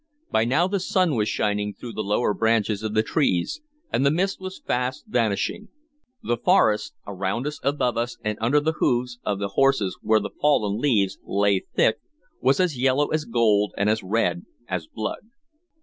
By now the sun was shining through the lower branches of the trees, and the mist was fast vanishing. The forest around us, above us, and under the hoofs of the horses where the fallen leaves lay thick was as yellow as gold and as red as blood.